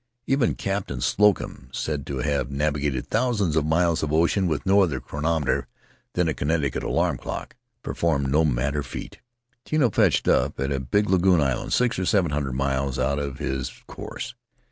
Even Captain Slocum, said to have navigated thousands of miles of ocean with no other chronometer than a Connecticut alarm clock, performed no madder feat. Tino fetched up at a big lagoon island, six or seven hundred miles out of his course.